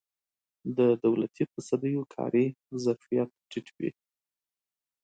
د دولتي تصدیو کاري ظرفیت ټیټ وي.